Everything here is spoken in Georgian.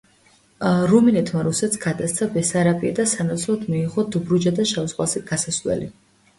რუმინეთმა რუსეთს გადასცა ბესარაბია და სანაცვლოდ მიიღო დობრუჯა და შავ ზღვაზე გასასვლელი.